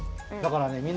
だからね